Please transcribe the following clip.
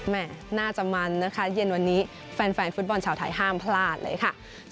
แม่น่าจะมันนะคะเย็นวันนี้แฟนฟุตบอลชาวไทยห้ามพลาดเลยค่ะ